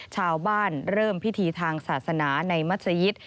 ชาวบ้านเริ่มพิธีทางศาสนาในมัศยิต